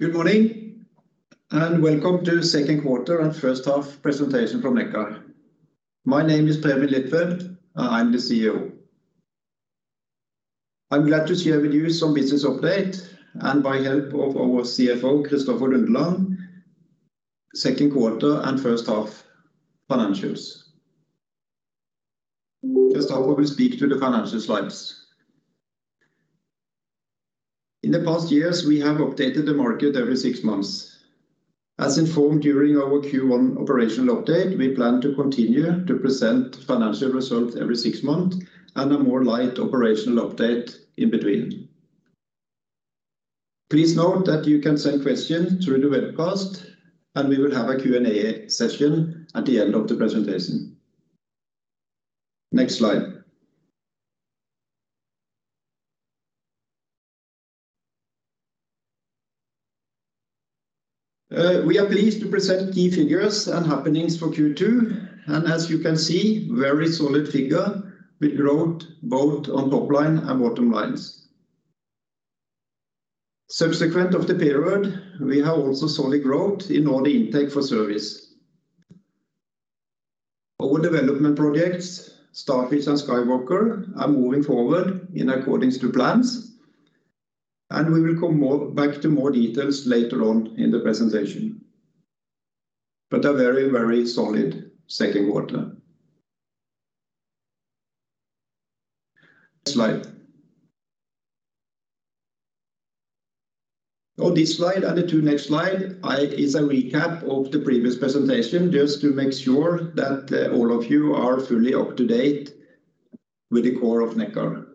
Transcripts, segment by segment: Good morning, and welcome to the second quarter and first half presentation from Nekkar. My name is Preben Liltved, and I am the CEO. I am glad to share with you some business update, and by help of our CFO, Kristoffer Lundeland, second quarter and first half financials. Kristoffer will speak to the financial slides. In the past years, we have updated the market every six months. As informed during our Q1 operational update, we plan to continue to present financial results every six months, and a more light operational update in between. Please note that you can send questions through the webcast, and we will have a Q&A session at the end of the presentation. Next slide. We are pleased to present key figures and happenings for Q2, and as you can see, very solid figure with growth both on top line and bottom lines. Subsequent of the period, we have also solid growth in order intake for service. Our development projects, Starfish and SkyWalker, are moving forward in accordance to plans, and we will come back to more details later on in the presentation. A very solid second quarter. Next slide. On this slide and the two next slide is a recap of the previous presentation, just to make sure that all of you are fully up to date with the core of Nekkar.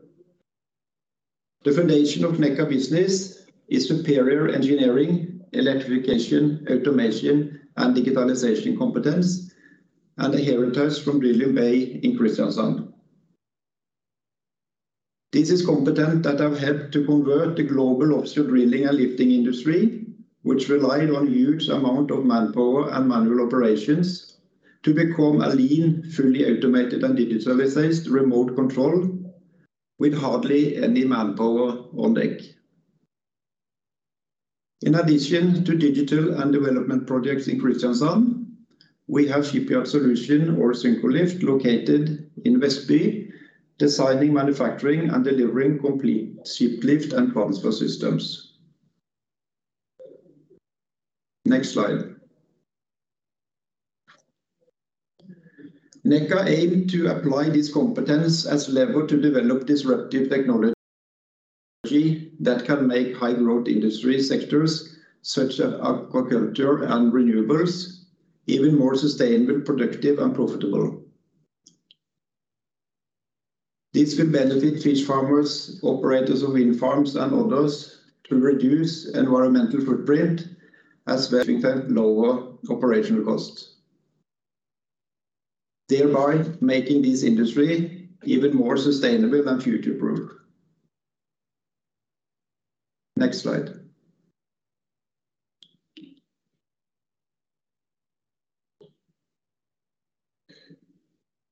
The foundation of Nekkar business is superior engineering, electrification, automation and digitalization competence, and a heritage from Drilling Bay in Kristiansand. This is competence that have helped to convert the global offshore drilling and lifting industry, which relied on huge amount of manpower and manual operations to become a lean, fully automated and digital services remote control with hardly any manpower on deck. In addition to digital and development projects in Kristiansand, we have Shipyard Solutions, or Syncrolift, located in Vestby, designing, manufacturing and delivering complete ship lift and transfer systems. Next slide. Nekkar aim to apply this competence as lever to develop disruptive technology that can make high-growth industry sectors such as aquaculture and renewables even more sustainable, productive and profitable. This will benefit fish farmers, operators of wind farms and others to reduce environmental footprint as well as lower operational costs, thereby making this industry even more sustainable and future-proof. Next slide.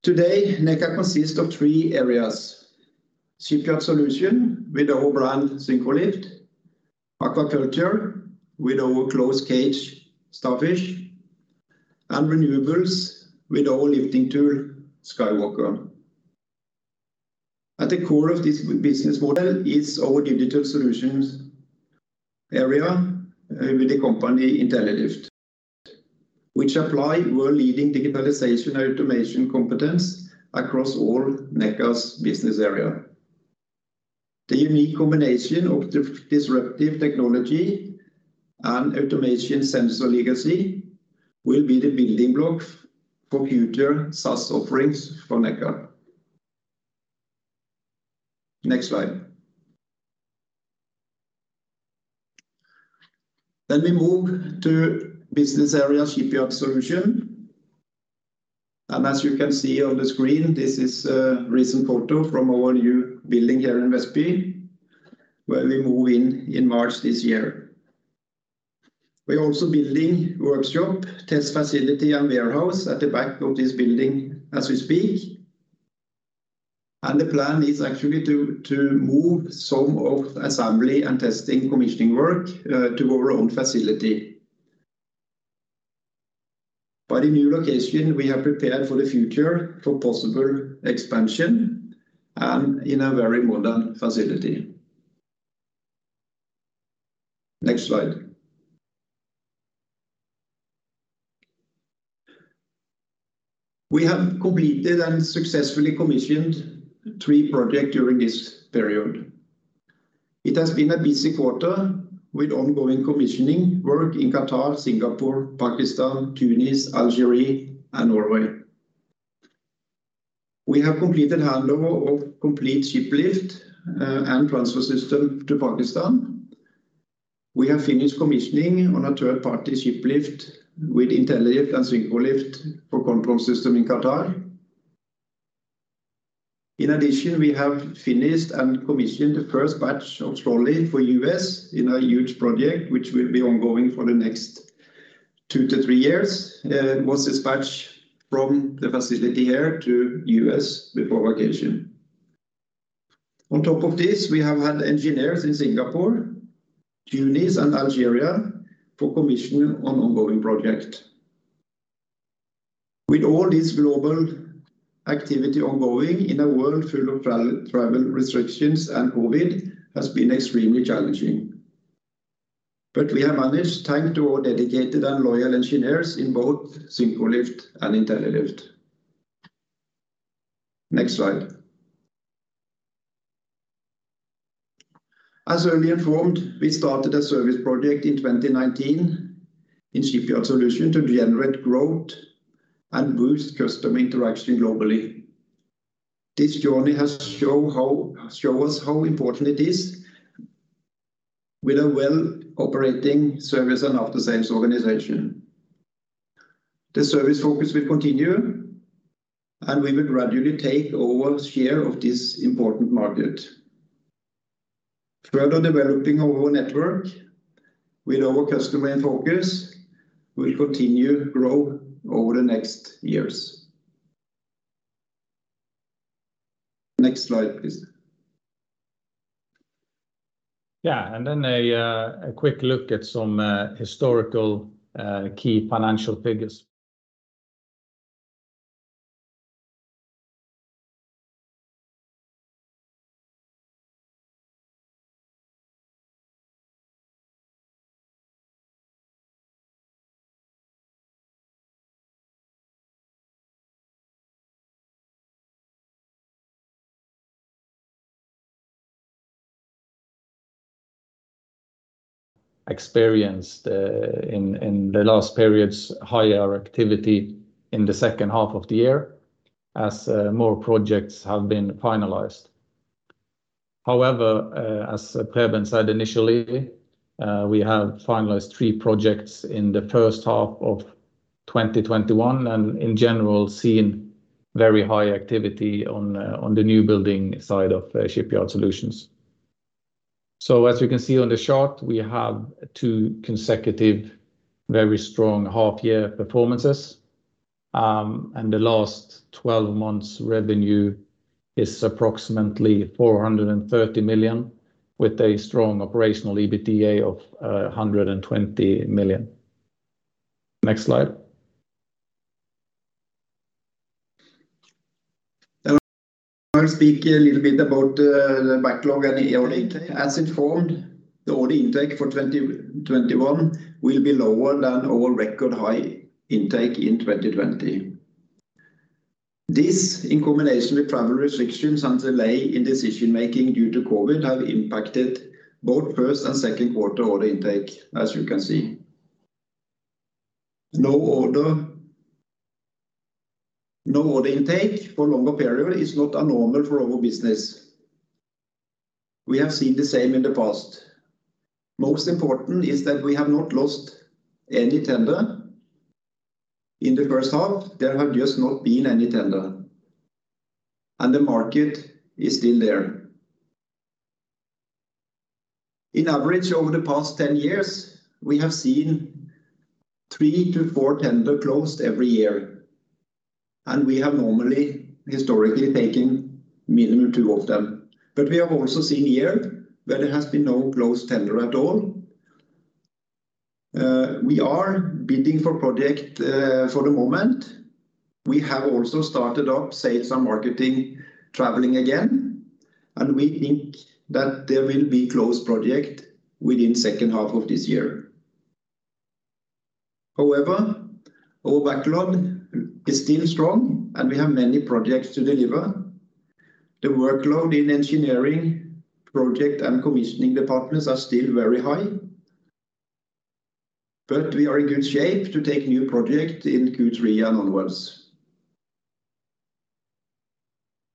Today, Nekkar consists of three areas, Shipyard Solutions with our brand, Syncrolift; aquaculture with our closed cage, Starfish; and renewables with our lifting tool, SkyWalker. At the core of this business model is our digital solutions area with the company, Intellilift, which apply world-leading digitalization automation competence across all Nekkar's business area. The unique combination of the disruptive technology and automation sensor legacy will be the building blocks for future SaaS offerings for Nekkar. Next slide. We move to business area Shipyard Solutions. As you can see on the screen, this is a recent photo from our new building here in Vestby, where we move in in March this year. We are also building workshop, test facility and warehouse at the back of this building as we speak. The plan is actually to move some of the assembly and testing commissioning work to our own facility. By the new location, we have prepared for the future for possible expansion and in a very modern facility. Next slide. We have completed and successfully commissioned three project during this period. It has been a busy quarter with ongoing commissioning work in Qatar, Singapore, Pakistan, Tunis, Algeria and Norway. We have completed handover of complete ship lift and transfer system to Pakistan. We have finished commissioning on a third-party ship lift with Intellilift and Syncrolift for control system in Qatar. In addition, we have finished and commissioned the first batch of trolley for U.S. in a huge project which will be ongoing for the next 2-3 years. Was this batch from the facility here to U.S. before vacation. On top of this, we have had engineers in Singapore, Tunis, and Algeria for commission on ongoing project. With all this global activity ongoing in a world full of travel restrictions and COVID has been extremely challenging. We have managed thanks to our dedicated and loyal engineers in both Syncrolift and Intellilift. Next slide. As earlier informed, we started a service project in 2019 in Shipyard Solutions to generate growth and boost customer interaction globally. This journey has show us how important it is with a well operating service and after sales organization. The service focus will continue, and we will gradually take our share of this important market. Further developing our network with our customer in focus will continue to grow over the next years. Next slide, please. Yeah. A quick look at some historical key financial figures. Experienced in the last periods, higher activity in the second half of the year as more projects have been finalized. As Preben said initially, we have finalized three projects in the first half of 2021, and in general, seen very high activity on the new building side of Shipyard Solutions. As you can see on the chart, we have two consecutive, very strong half-year performances. The last 12 months revenue is approximately 430 million, with a strong operational EBITDA of 120 million. Next slide. I'll speak a little bit about the backlog and the order intake. As informed, the order intake for 2021 will be lower than our record high intake in 2020. This, in combination with travel restrictions and delay in decision-making due to COVID, have impacted both first and second quarter order intake, as you can see. No order intake for longer period is not abnormal for our business. We have seen the same in the past. Most important is that we have not lost any tender. In the first half, there have just not been any tender, and the market is still there. In average over the past 10 years, we have seen 3-4 tender closed every year, and we have normally, historically, taken minimum two of them. We have also seen year where there has been no closed tender at all. We are bidding for project for the moment. We have also started up sales and marketing traveling again, and we think that there will be closed project within second half of this year. However, our backlog is still strong, and we have many projects to deliver. The workload in engineering project and commissioning departments are still very high. We are in good shape to take new project in Q3 and onwards.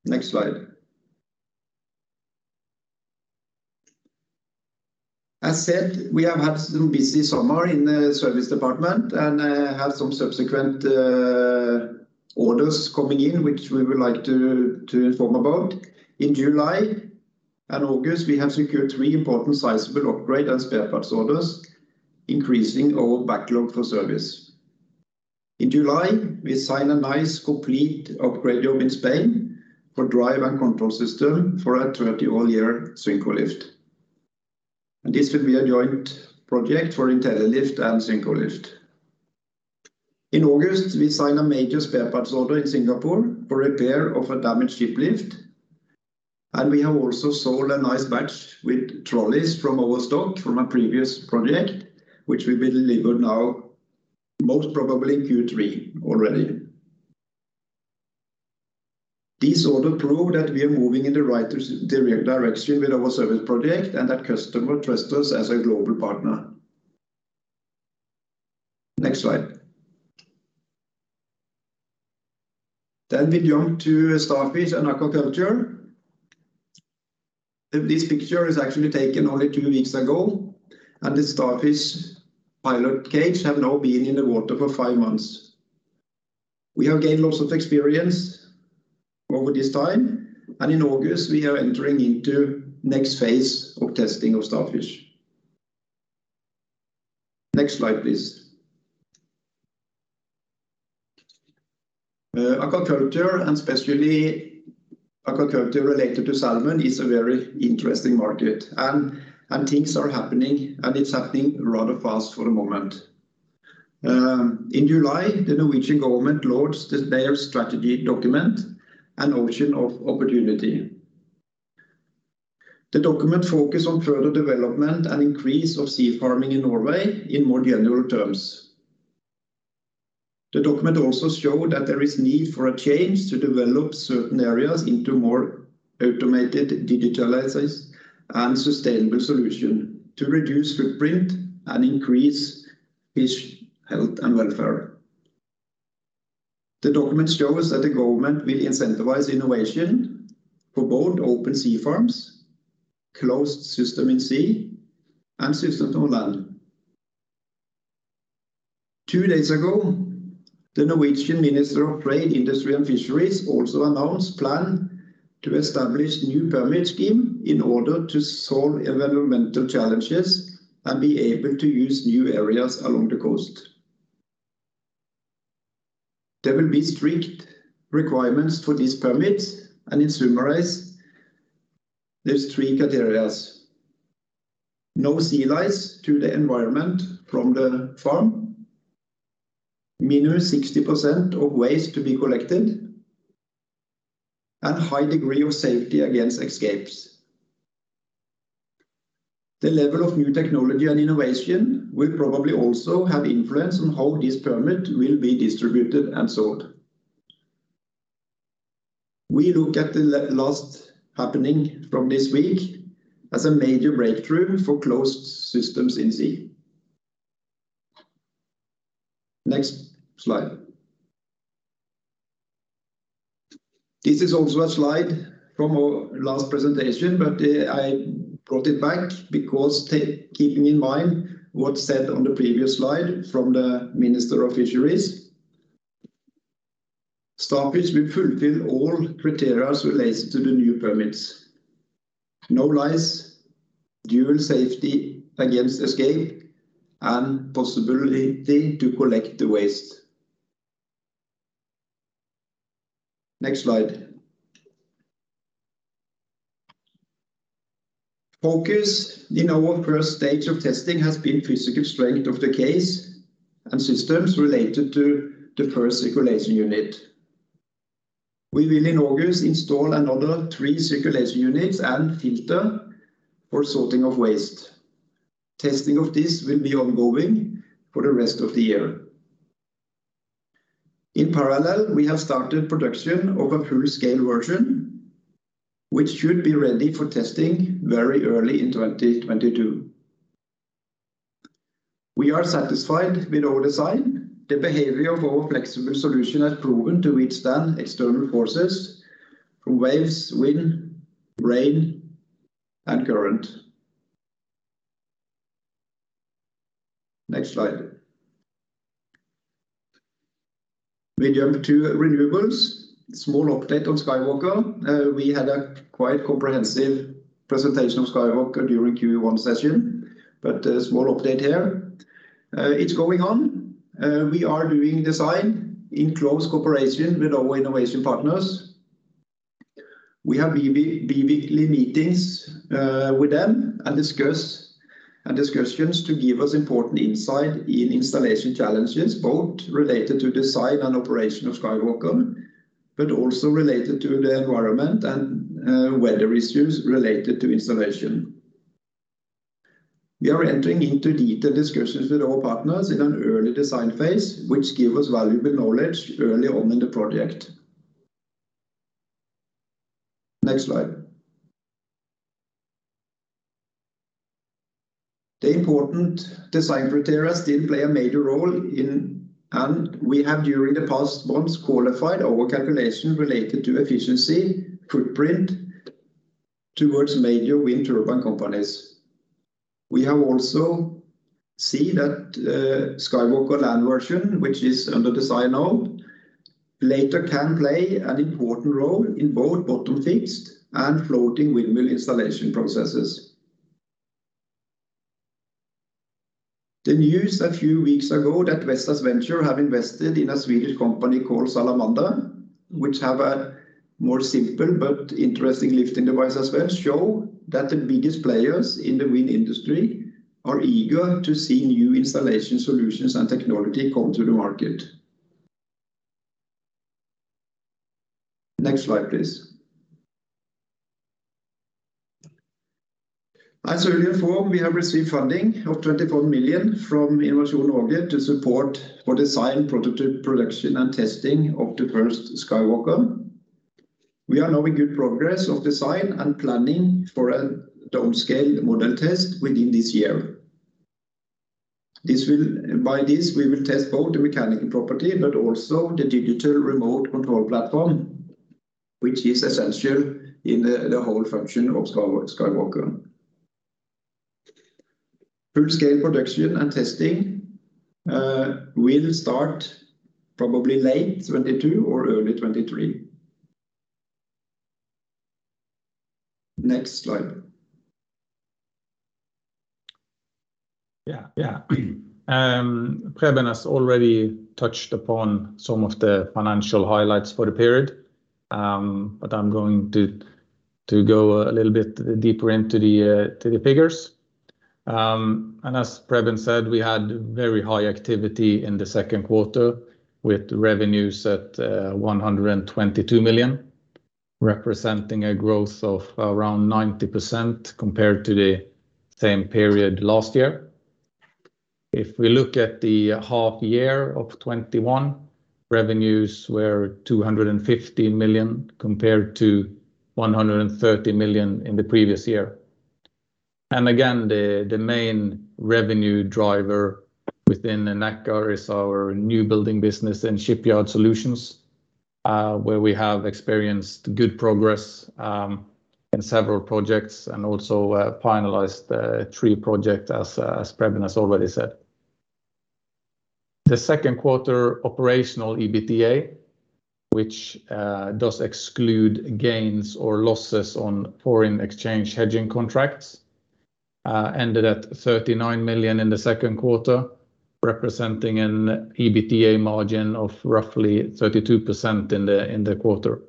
Next slide. As said, we have had some busy summer in the service department and have some subsequent orders coming in, which we would like to inform about. In July and August, we have secured three important sizable upgrade and spare parts orders, increasing our backlog for service. In July, we signed a nice complete upgrade job in Spain for drive and control system for a 30-year Syncrolift. This will be a joint project for Intellilift and Syncrolift. In August, we signed a major spare parts order in Singapore for repair of a damaged ship lift, and we have also sold a nice batch with trolleys from our stock from a previous project, which will be delivered now, most probably in Q3 already. This order prove that we are moving in the right direction with our service project and that customer trust us as a global partner. Next slide. We jump to Starfish and Aquaculture. This picture is actually taken only two weeks ago, and the Starfish pilot cage have now been in the water for five months. We have gained lots of experience over this time, and in August, we are entering into next phase of testing of Starfish. Next slide, please. Aquaculture, and especially aquaculture related to salmon, is a very interesting market, and things are happening, and it's happening rather fast for the moment. In July, the Norwegian government launched their strategy document, An Ocean of Opportunity. The document focus on further development and increase of sea farming in Norway in more general terms. The document also show that there is need for a change to develop certain areas into more automated, digitalized, and sustainable solution to reduce footprint and increase fish health and welfare. The document shows that the government will incentivize innovation for both open sea farms, closed system in sea, and systems on land. Two days ago, the Norwegian Minister of Trade, Industry and Fisheries also announced plan to establish new permit scheme in order to solve environmental challenges and be able to use new areas along the coast. There will be strict requirements for these permits. In summary, there's three criteria: no sea lice to the environment from the farm, minimum 60% of waste to be collected, and high degree of safety against escapes. The level of new technology and innovation will probably also have influence on how this permit will be distributed and sold. We look at the last happening from this week as a major breakthrough for closed systems in sea. Next slide. This is also a slide from our last presentation, I brought it back because keeping in mind what's said on the previous slide from the Minister of Fisheries. Starfish will fulfill all criteria related to the new permits. No lice, dual safety against escape, and possibility to collect the waste. Next slide. Focus in our first stage of testing has been physical strength of the case and systems related to the first circulation unit. We will, in August, install another three circulation units and filter for sorting of waste. Testing of this will be ongoing for the rest of the year. In parallel, we have started production of a full-scale version, which should be ready for testing very early in 2022. We are satisfied with our design. The behavior of our flexible solution has proven to withstand external forces from waves, wind, rain, and current. Next slide. We jump to renewables. Small update on SkyWalker. We had a quite comprehensive presentation of SkyWalker during Q1 session, but a small update here. It's going on. We are doing design in close cooperation with our innovation partners. We have bi-weekly meetings with them and discussions to give us important insight in installation challenges, both related to design and operation of SkyWalker, but also related to the environment and weather issues related to installation. We are entering into detailed discussions with our partners in an early design phase, which give us valuable knowledge early on in the project. Next slide. The important design criteria still play a major role. We have, during the past months, qualified our calculation related to efficiency, footprint, towards major wind turbine companies. We have also seen that SkyWalker land version, which is under design now, later can play an important role in both bottom fixed and floating windmill installation processes. The news a few weeks ago that Vestas Ventures have invested in a Swedish company called Salamander, which have a more simple but interesting lifting device as well, show that the biggest players in the wind industry are eager to see new installation solutions and technology come to the market. Next slide, please. As earlier informed, we have received funding of 24 million from Innovation Norway to support for design, prototype production, and testing of the first SkyWalker. We are now in good progress of design and planning for a downscale model test within this year. By this, we will test both the mechanical property, but also the digital remote control platform, which is essential in the whole function of SkyWalker. Full-scale production and testing will start probably late 2022 or early 2023. Next slide. Yeah. Preben has already touched upon some of the financial highlights for the period, I'm going to go a little bit deeper into the figures. As Preben said, we had very high activity in the second quarter with revenues at 122 million, representing a growth of around 90% compared to the same period last year. If we look at the half-year of 2021, revenues were 250 million compared to 130 million in the previous year. Again, the main revenue driver within Nekkar is our new building business and Shipyard Solutions, where we have experienced good progress in several projects and also finalized the three projects, as Preben has already said. The second quarter operational EBITDA, which does exclude gains or losses on foreign exchange hedging contracts, ended at 39 million in the second quarter, representing an EBITDA margin of roughly 32% in the quarter.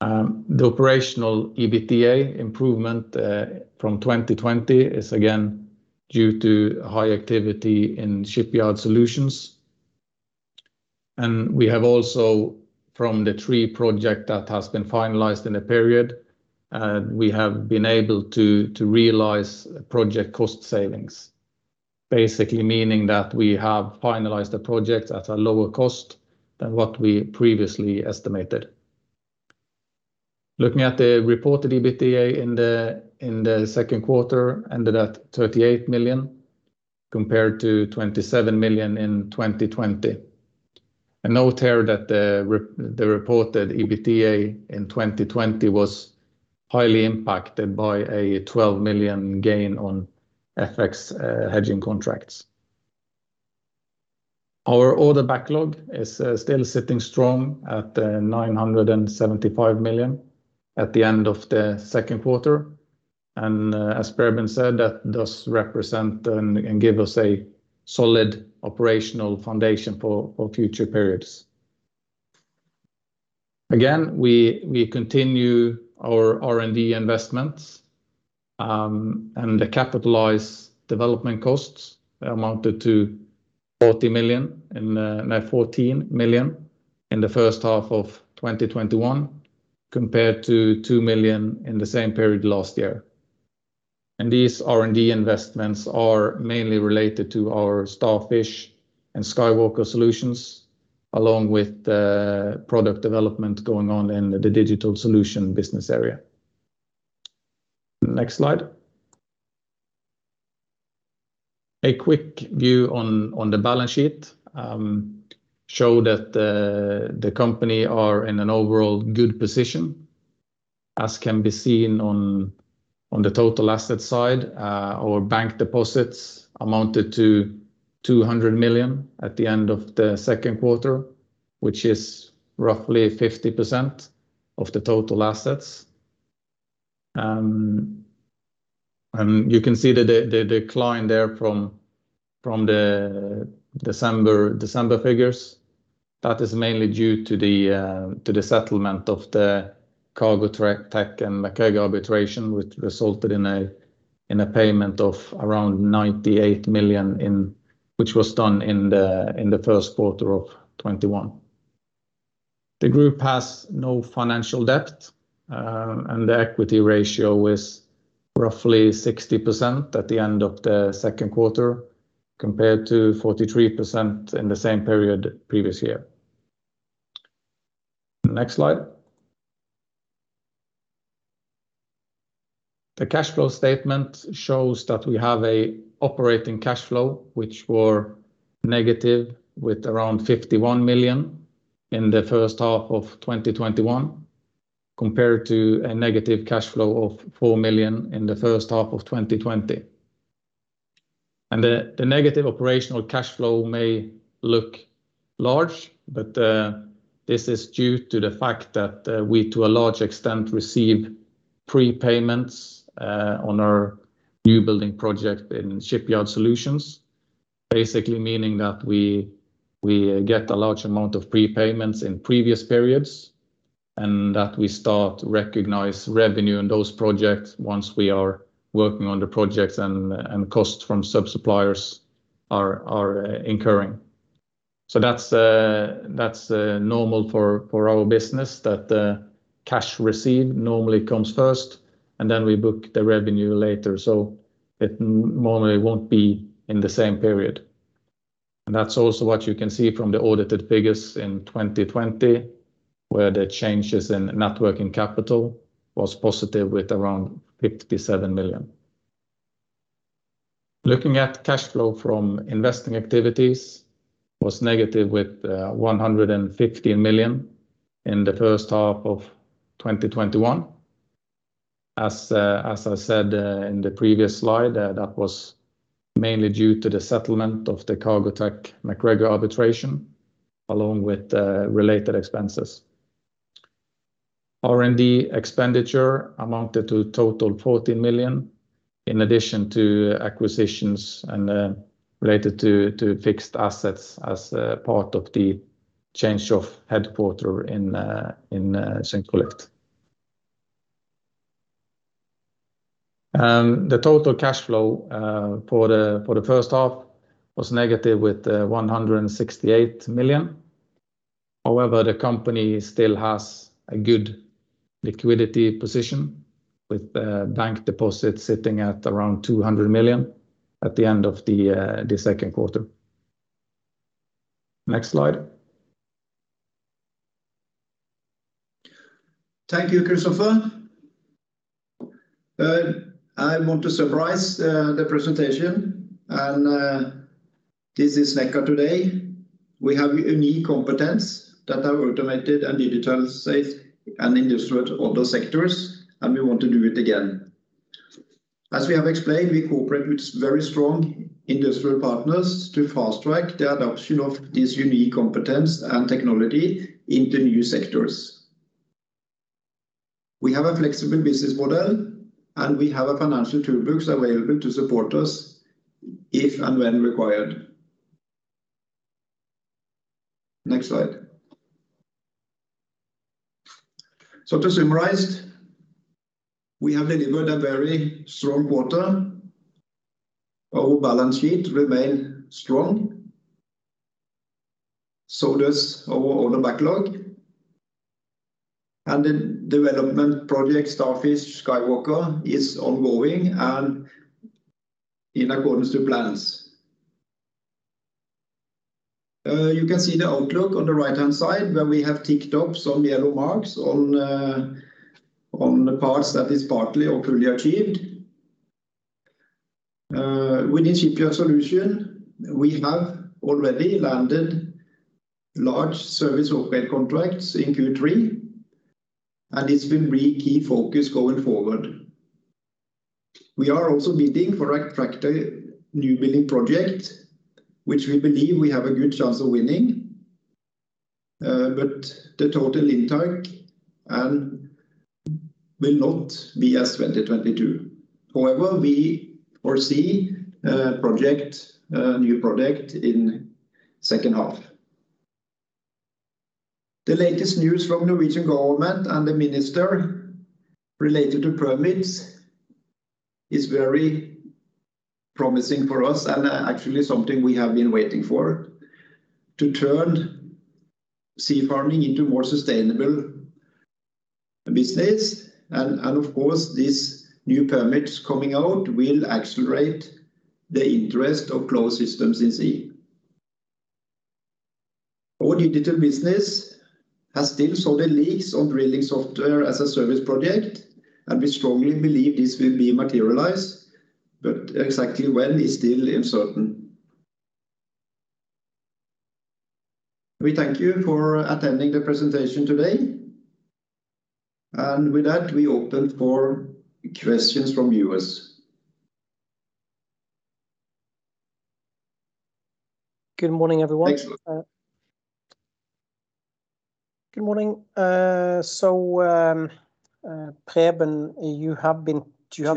The operational EBITDA improvement from 2020 is again due to high activity in Shipyard Solutions. We have also from the three project that has been finalized in the period, we have been able to realize project cost savings. Basically meaning that we have finalized the project at a lower cost than what we previously estimated. Looking at the reported EBITDA in the second quarter, ended at 38 million, compared to 27 million in 2020. A note here that the reported EBITDA in 2020 was highly impacted by a 12 million gain on FX hedging contracts. Our order backlog is still sitting strong at 975 million at the end of the second quarter, and as Preben said, that does represent and give us a solid operational foundation for future periods. We continue our R&D investments, and the capitalized development costs amounted to 14 million in the first half of 2021, compared to 2 million in the same period last year. These R&D investments are mainly related to our Starfish and SkyWalker solutions, along with product development going on in the digital solution business area. Next slide. A quick view on the balance sheet show that the company are in an overall good position, as can be seen on the total asset side. Our bank deposits amounted to 200 million at the end of the second quarter, which is roughly 50% of the total assets. You can see the decline there from the December figures. That is mainly due to the settlement of the Cargotec and MacGregor arbitration, which resulted in a payment of around 98 million, which was done in the first quarter of 2021. The group has no financial debt, the equity ratio is roughly 60% at the end of the second quarter, compared to 43% in the same period previous year. Next slide. The cash flow statement shows that we have a operating cash flow which were negative with around 51 million in the first half of 2021, compared to a negative cash flow of 4 million in the first half of 2020. The negative operational cash flow may look large, but this is due to the fact that we, to a large extent, receive prepayments on our new building project in Shipyard Solutions. Basically meaning that we get a large amount of prepayments in previous periods, and that we start to recognize revenue in those projects once we are working on the projects and costs from sub-suppliers are incurring. That's normal for our business that cash received normally comes first, and then we book the revenue later, so it normally won't be in the same period. That's also what you can see from the audited figures in 2020, where the changes in net working capital was positive with around 57 million. Looking at cash flow from investing activities was negative with 115 million in the first half of 2021. As I said in the previous slide, that was mainly due to the settlement of the Cargotec/MacGregor arbitration along with related expenses. R&D expenditure amounted to a total 14 million, in addition to acquisitions and related to fixed assets as part of the change of headquarter in Syncrolift. The total cash flow for the first half was negative with 168 million. The company still has a good liquidity position with bank deposits sitting at around 200 million at the end of the second quarter. Next slide. Thank you, Kristoffer. I want to summarize the presentation. This is Nekkar today. We have unique competence that are automated and digitalized in the industrial auto sectors, and we want to do it again. As we have explained, we cooperate with very strong industrial partners to fast-track the adoption of this unique competence and technology in the new sectors. We have a flexible business model, and we have a financial toolbox available to support us if and when required. Next slide. To summarize, we have delivered a very strong quarter. Our balance sheet remains strong, so does our order backlog. The development project, Starfish SkyWalker, is ongoing and in accordance with plans. You can see the outlook on the right-hand side where we have ticked off some yellow marks on the parts that is partly or fully achieved. Within Shipyard Solutions, we have already landed large service software contracts in Q3. It's been a key focus going forward. We are also bidding for an attractive new building project, which we believe we have a good chance of winning. The total intake will not be as 2022. However, we foresee a new project in the second half. The latest news from the Norwegian Government and the Minister related to permits is very promising for us and actually something we have been waiting for to turn sea farming into a more sustainable business. Of course, these new permits coming out will accelerate the interest of closed systems in sea. Our digital business has still solid leads on drilling software-as-a-service project. We strongly believe this will be materialized. Exactly when is still uncertain. We thank you for attending the presentation today. With that, we open for questions from viewers. Good morning, everyone. Thanks. Good morning. Preben, you have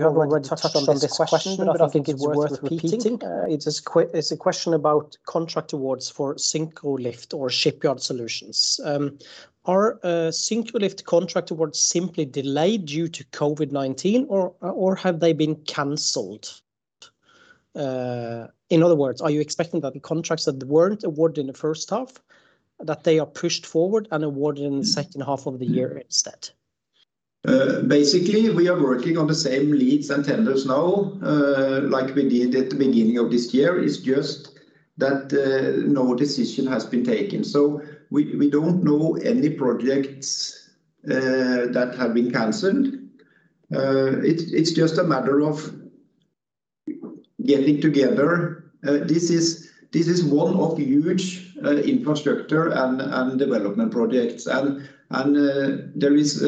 already touched on this question. I think it's worth repeating. It's a question about contract awards for Syncrolift or Shipyard Solutions. Are Syncrolift contract awards simply delayed due to COVID-19, or have they been canceled? In other words, are you expecting that the contracts that weren't awarded in the first half, that they are pushed forward and awarded in the second half of the year instead? Basically, we are working on the same leads and tenders now like we did at the beginning of this year. It's just that no decision has been taken. We don't know any projects that have been canceled. It's just a matter of getting together. This is one of the huge infrastructure and development projects, and there is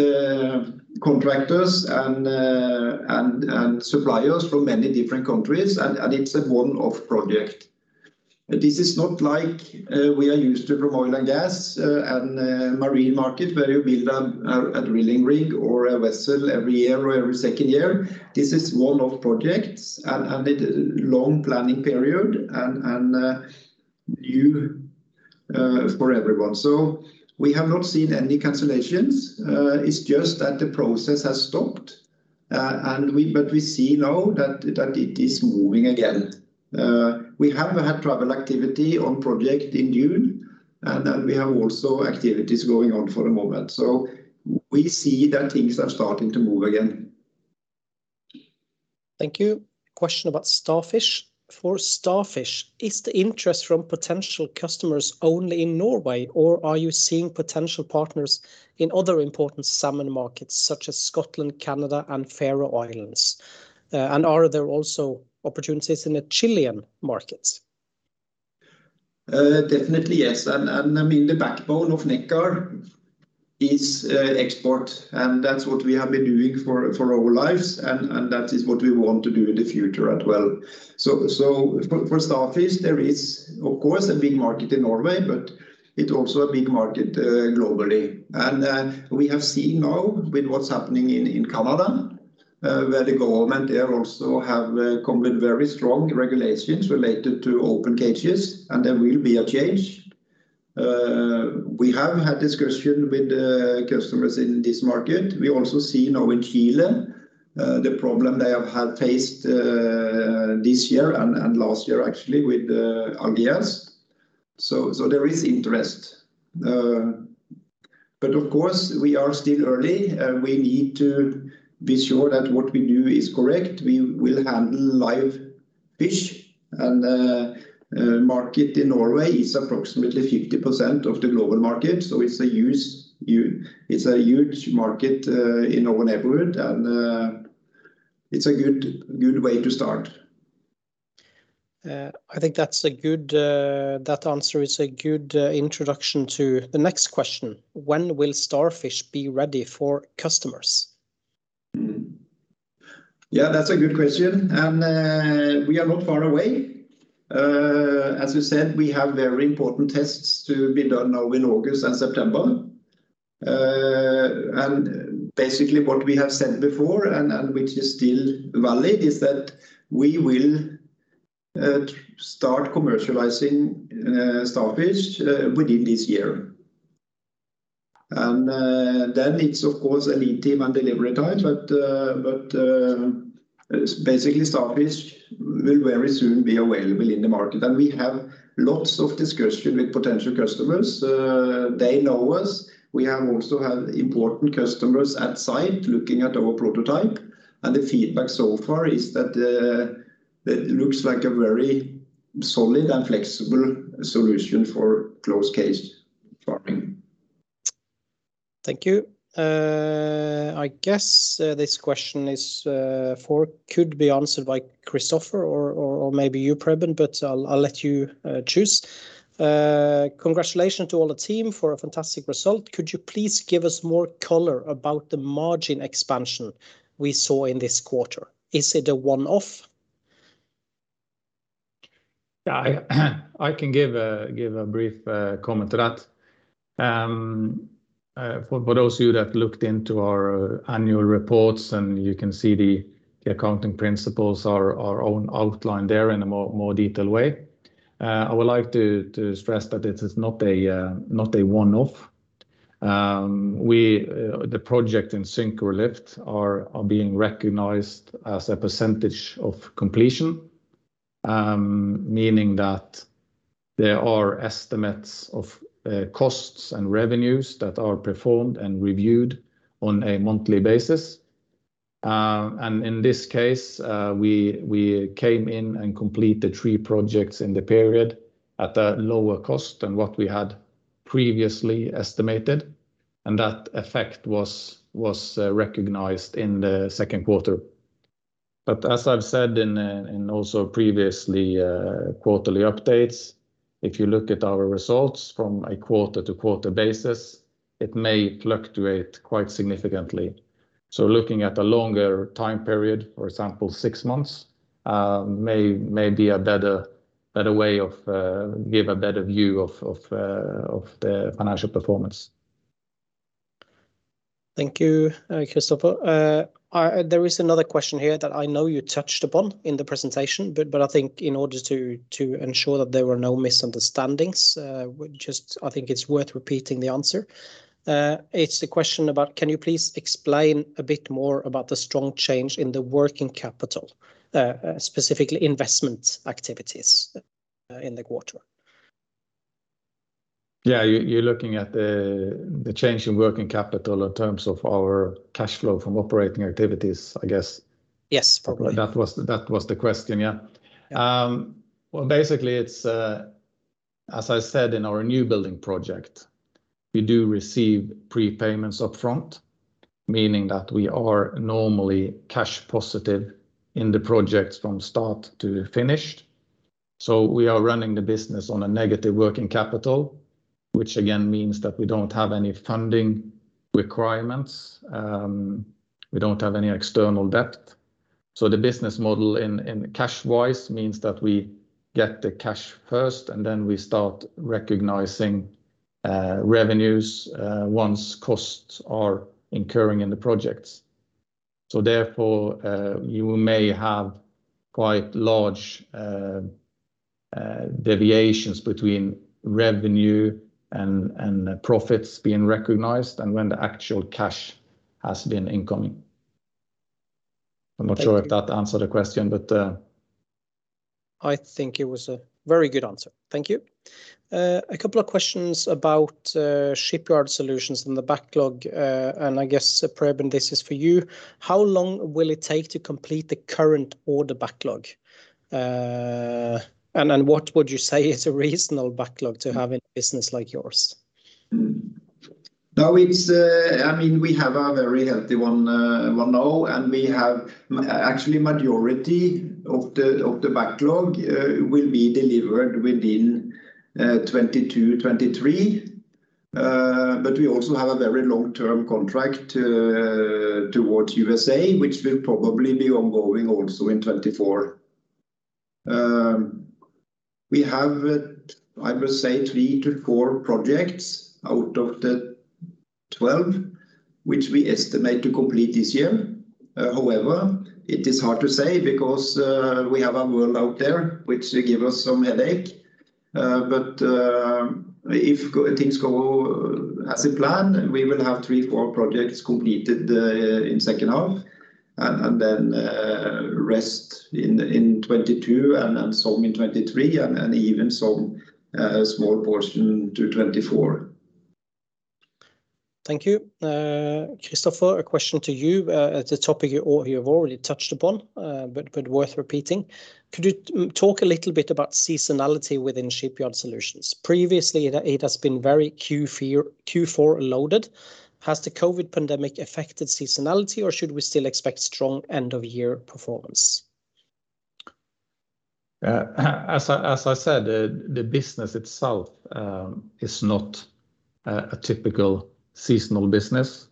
contractors and suppliers from many different countries, and it's a one-off project. This is not like we are used to from oil and gas and marine market where you build a drilling rig or a vessel every year or every second year. This is one-off projects and a long planning period and new for everyone. We have not seen any cancellations. It's just that the process has stopped. We see now that it is moving again. We have had travel activity on project in June, and we have also activities going on for the moment. We see that things are starting to move again. Thank you. Question about Starfish. For Starfish, is the interest from potential customers only in Norway, or are you seeing potential partners in other important salmon markets such as Scotland, Canada, and Faroe Islands? Are there also opportunities in the Chilean markets? Definitely, yes. I mean, the backbone of Nekkar is export. That's what we have been doing for our lives, and that is what we want to do in the future as well. For Starfish, there is, of course, a big market in Norway, but it's also a big market globally. We have seen now with what's happening in Canada, where the government there also have come with very strong regulations related to open cages, and there will be a change. We have had discussion with customers in this market. We also see now in Chile, the problem they have had faced this year and last year actually with RDS. There is interest. Of course, we are still early. We need to be sure that what we do is correct. We will handle live fish, and market in Norway is approximately 50% of the global market. It's a huge market in our neighborhood, and it's a good way to start. I think that answer is a good introduction to the next question. When will Starfish be ready for customers? Yeah, that's a good question. We are not far away. As we said, we have very important tests to be done now in August and September. Basically what we have said before and which is still valid is that we will start commercializing Starfish within this year. Then it's of course a lead time and delivery time, but basically Starfish will very soon be available in the market. We have lots of discussion with potential customers. They know us. We have also had important customers at site looking at our prototype, and the feedback so far is that it looks like a very solid and flexible solution for closed cage farming. Thank you. I guess this question could be answered by Kristoffer or maybe you, Preben. I'll let you choose. Congratulations to all the team for a fantastic result. Could you please give us more color about the margin expansion we saw in this quarter? Is it a one-off? Yeah. I can give a brief comment to that. For those of you that looked into our Annual Reports, and you can see the accounting principles are outlined there in a more detailed way. I would like to stress that it is not a one-off. The project in Syncrolift are being recognized as a percentage of completion, meaning that there are estimates of costs and revenues that are performed and reviewed on a monthly basis. And in this case, we came in and completed three projects in the period at a lower cost than what we had previously estimated, and that effect was recognized in the second quarter. But as I've said in also previously quarterly updates, if you look at our results from a quarter-to-quarter basis, it may fluctuate quite significantly. Looking at a longer time period, for example, six months, may be a better way of give a better view of the financial performance. Thank you, Kristoffer. There is another question here that I know you touched upon in the presentation, but I think in order to ensure that there were no misunderstandings, I think it's worth repeating the answer. It's the question about, can you please explain a bit more about the strong change in the working capital, specifically investment activities in the quarter? Yeah. You're looking at the change in working capital in terms of our cash flow from operating activities, I guess. Yes, probably. That was the question, yeah. Yeah. Well, basically, as I said, in our new building project, we do receive prepayments upfront, meaning that we are normally cash positive in the projects from start to finish. We are running the business on a negative working capital, which again, means that we don't have any funding requirements. We don't have any external debt. The business model in cash wise means that we get the cash first, and then we start recognizing revenues once costs are incurring in the projects. Therefore, you may have quite large deviations between revenue and profits being recognized and when the actual cash has been incoming. Thank you. I'm not sure if that answered the question. I think it was a very good answer. Thank you. A couple of questions about Shipyard Solutions and the backlog. I guess, Preben, this is for you. How long will it take to complete the current order backlog? What would you say is a reasonable backlog to have in a business like yours? We have a very healthy one now, and actually, the majority of the backlog will be delivered within 2022/2023. We also have a very long-term contract towards USA, which will probably be ongoing also in 2024. We have, I must say, 3-4 projects out of the 12 which we estimate to complete this year. It is hard to say because we have a world out there which gives us some headache. If things go as planned, we will have three or four projects completed in the second half and then the rest in 2022 and some in 2023 and even some small portion to 2024. Thank you. Kristoffer, a question to you. The topic you have already touched upon, but worth repeating. Could you talk a little bit about seasonality within Shipyard Solutions? Previously it has been very Q4 loaded. Has the COVID pandemic affected seasonality, or should we still expect strong end-of-year performance? As I said, the business itself is not a typical seasonal business.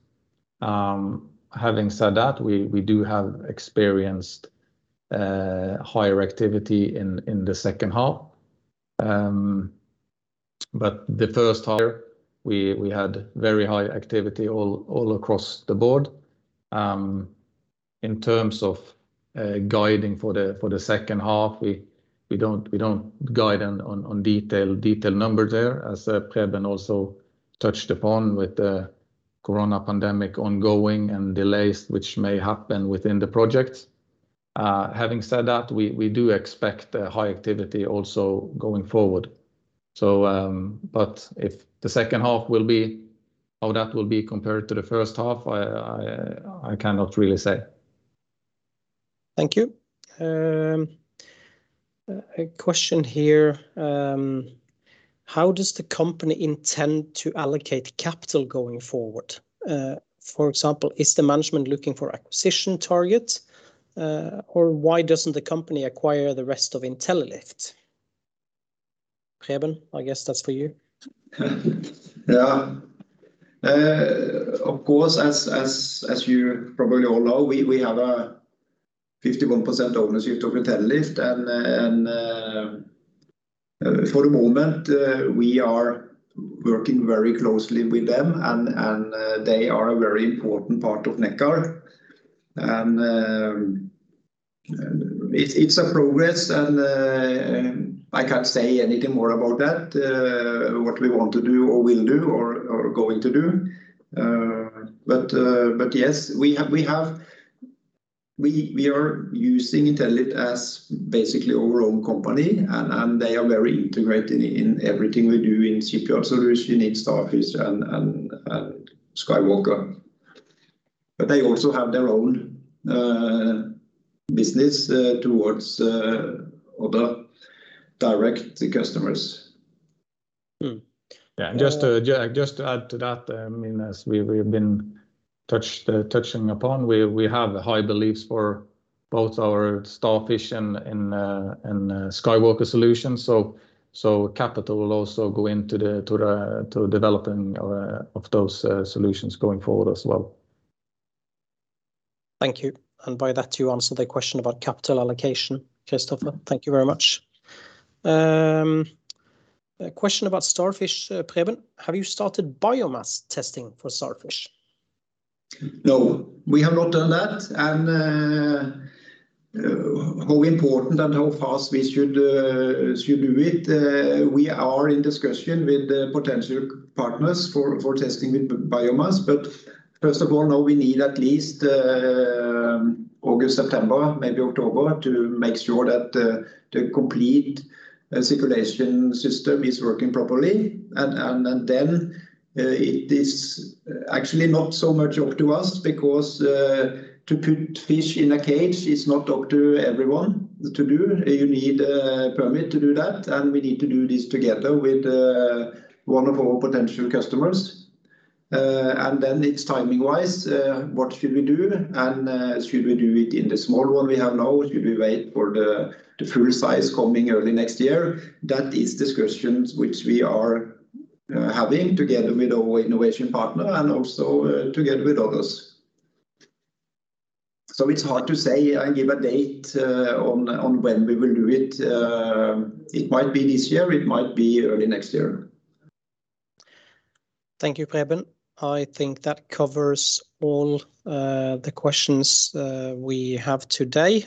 Having said that, we do have experienced higher activity in the second half. The first half, we had very high activity all across the board. In terms of guiding for the second half, we don't guide on detailed numbers there, as Preben also touched upon with the COVID-19 pandemic ongoing and delays which may happen within the projects. Having said that, we do expect high activity also going forward. If the second half will be, how that will be compared to the first half, I cannot really say. Thank you. A question here. How does the company intend to allocate capital going forward? For example, is the management looking for acquisition targets? Why doesn't the company acquire the rest of Intellilift? Preben, I guess that's for you. Of course, as you probably all know, we have a 51% ownership of Intellilift, and for the moment, we are working very closely with them, and they are a very important part of Nekkar. It's progress, and I can't say anything more about that. What we want to do or will do or are going to do. Yes, we are using Intellilift as basically our own company, and they are very integrated in everything we do in Shipyard Solutions, in Starfish and SkyWalker. They also have their own business towards other direct customers. Just to add to that, as we have been touching upon, we have high beliefs for both our Starfish and SkyWalker solutions. Capital will also go into the developing of those solutions going forward as well. Thank you. By that, you answered the question about capital allocation, Kristoffer. Thank you very much. A question about Starfish, Preben. Have you started biomass testing for Starfish? No, we have not done that, and how important and how fast we should do it, we are in discussion with potential partners for testing with biomass. First of all, now we need at least August, September, maybe October, to make sure that the complete circulation system is working properly. Then it is actually not so much up to us because to put fish in a cage is not up to everyone to do. You need a permit to do that, and we need to do this together with one of our potential customers. Then it's timing-wise, what should we do, and should we do it in the small one we have now? Should we wait for the full size coming early next year? That is discussions which we are having together with our innovation partner and also together with others. It's hard to say and give a date on when we will do it. It might be this year, it might be early next year. Thank you, Preben. I think that covers all the questions we have today.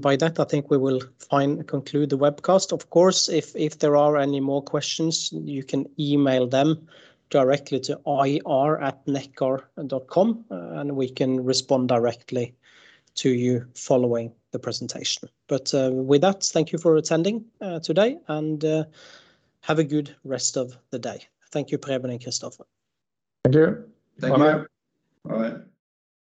By that, I think we will conclude the webcast. Of course, if there are any more questions, you can email them directly to ir@nekkar.com, and we can respond directly to you following the presentation. With that, thank you for attending today, and have a good rest of the day. Thank you, Preben and Kristoffer. Thank you. Bye. Thank you. Bye.